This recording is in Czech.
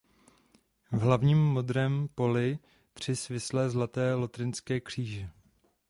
V hlavním modrém poli tři svislé zlaté lotrinské kříže.